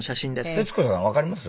徹子さんわかります？